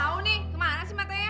tahu nih kemana sih matanya